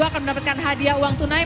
kedapatkan hadiah uang tunai